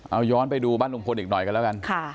เอาย้อนไปดูบ้านลุงพลอีกหน่อยกันแล้วกัน